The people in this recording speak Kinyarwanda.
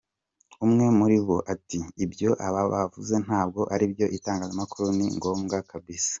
Umwe muri bo ati “Ibyo aba avuze ntabwo aribyo itangazamakuru ni ngombwa kabisa.